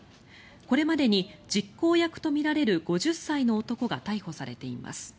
これまでに実行役とみられる５０歳の男が逮捕されています。